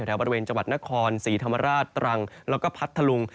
แถวบริเวณจังหวัดนครศรีธรรมราชตรังแล้วก็พัทธลุง